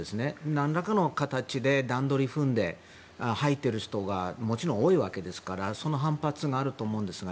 何らかの形で段取りを踏んで入っている人がもちろん多いわけですからその反発があると思うんですが。